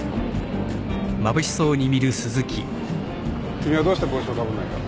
君はどうして帽子をかぶんないんだ？